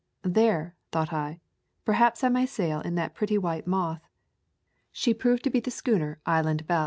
"There," thought I, "perhaps I may sail in that pretty white moth." She proved to be the schooner Island Belle.